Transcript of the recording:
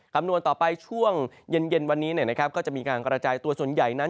คำนวณต่อไปช่วงเย็นวันนี้ก็จะมีการกระจายตัวส่วนใหญ่นั้น